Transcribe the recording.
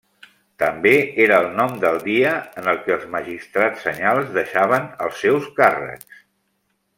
També era el nom del dia en què els magistrats anyals deixaven els seus càrrecs.